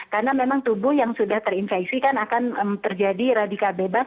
karena memang tubuh yang sudah terinfeksi kan akan terjadi radikal